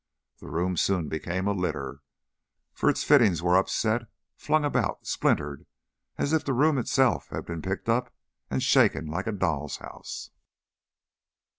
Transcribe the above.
The room soon became a litter, for its fittings were upset, flung about, splintered, as if the room itself had been picked up and shaken like a doll's house.